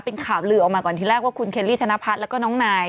เป็นข่าวลือออกมาก่อนทีแรกว่าคุณเคลลี่ธนพัฒน์แล้วก็น้องนาย